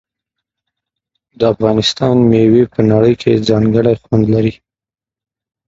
د افغانستان میوې په نړۍ کې ځانګړی خوند لري.